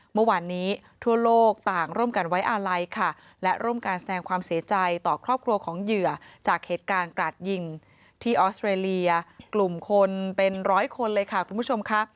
เมื่อวานนี้ทั่วโลกต่างร่วมกันไว้อาลัยค่ะและร่วมการแสดงความเสียใจต่อครอบครัวของเหยื่อจากเหตุการณ์กราดยิงที่ออสเตรเลียกลุ่มคนเป็นร้อยคนเลยค่ะคุณผู้ชมค่ะ